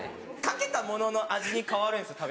かけたものの味に変わるんですよ